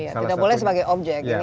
tidak boleh sebagai objek ini pentingnya